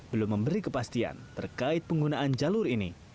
belum memberi kepastian terkait penggunaan jalur ini